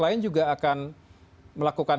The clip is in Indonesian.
lain juga akan melakukan